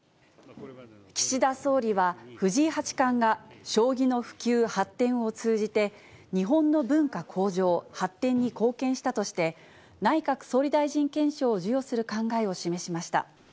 岸田総理は、藤井八冠が将棋の普及、発展を通じて、日本の文化向上、発展に貢献したとして、内閣総理大臣顕彰を授与する考えを示しました。